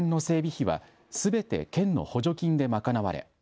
費はすべて県の補助金で賄われ